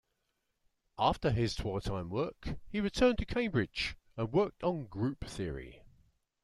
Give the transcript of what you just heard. After his wartime work, he returned to Cambridge, and worked on group theory.